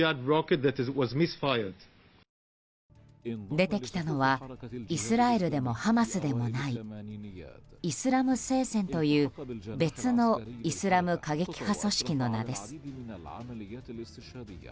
出てきたのはイスラエルでもハマスでもないイスラム聖戦という別のイスラム過激派組織の名です。